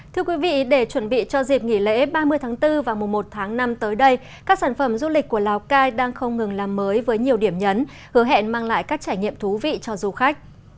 thưa quý vị để chuẩn bị cho dịp nghỉ lễ ba mươi tháng bốn và mùa một tháng năm tới đây các sản phẩm du lịch của lào cai đang không ngừng làm mới với nhiều điểm nhấn hứa hẹn mang lại các trải nghiệm thú vị cho du khách